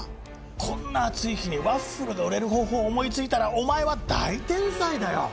こんな暑い日にワッフルが売れる方法を思いついたらお前は大天才だよ。